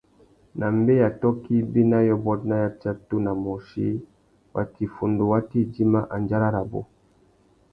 Nà mbeya tôkô ibî na yôbôt na yatsatu na môchï, watu iffundu wa tà idjima andjara rabú.